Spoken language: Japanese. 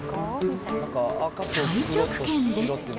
太極拳です。